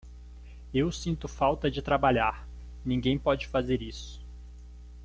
Eu sinto falta de trabalhar, ninguém pode fazer isso.